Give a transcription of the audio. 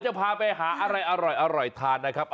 จะพาไปหาอะไรอร่อยทานนะครับ